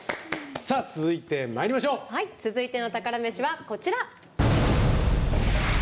続いての宝メシはこちら。